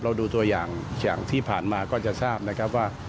เราดูตัวอย่างที่ผ่านมาก็จะทราบนะครับว่า